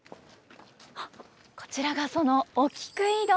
こちらがそのお菊井戸。